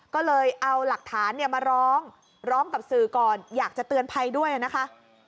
ก็เลยเอาหลักฐานมาร้องร้องกับสื่อก่อนอยากจะเตือนภัยด้วยนะคะ